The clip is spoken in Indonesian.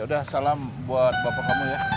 udah salam buat bapak kamu ya